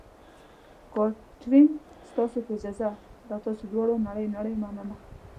کاترین: ستاسو په اجازه، له تاسو دواړو نړۍ نړۍ مننه.